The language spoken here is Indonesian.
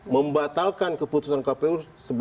membatalkan keputusan kpu seribu satu ratus tiga puluh